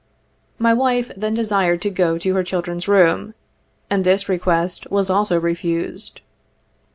My wife then desired to go to her children's room, and this request was also refused.